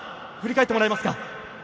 振り返ってもらえますか？